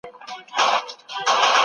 د نبوت مقام ته رسیدل د خدای خوښه ده.